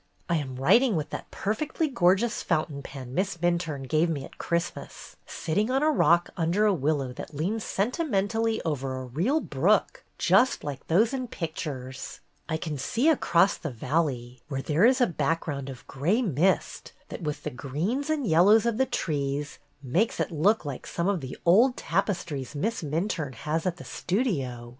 "I am writing with that perfectly gorgeous fountain pen Miss Minturne gave me at Christmas, sitting on a rock under a willow that leans sentimentally over a real brook, just like those in pictures. I can see across the valley, where there is a back ground of gray mist that, with the greens and yellows of the trees, makes it look like some of the old tapestries Miss Minturne has at the Studio.